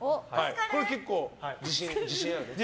これは結構自信ある？